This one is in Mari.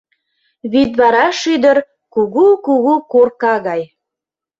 Вӱдвара шӱдыр, кугу-кугу корка гай.